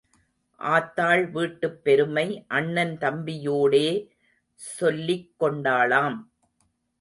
ஆத்தாள் வீட்டுப் பெருமை அண்ணன் தம்பியோடே சொல்லிக் கொண்டாளாம்.